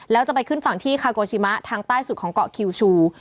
แล้วจะไปขึ้นฝั่งที่คาโกชิมะทางใต้สุดของเกาะคิวชู